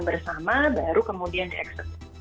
bersama baru kemudian di exit